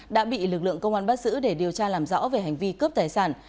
đã bị lực lượng công an bắt giữ để điều tra làm rõ về hành vi cướp tài sản